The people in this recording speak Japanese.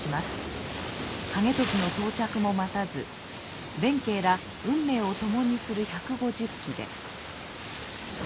景時の到着も待たず弁慶ら運命を共にする１５０騎で。